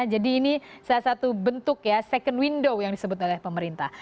jadi ini salah satu bentuk ya second window yang disebut oleh pemerintah